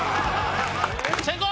先攻！